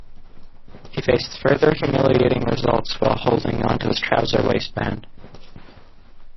He faced further humiliating insults while holding onto his trouser waistband.